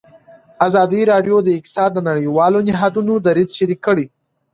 ازادي راډیو د اقتصاد د نړیوالو نهادونو دریځ شریک کړی.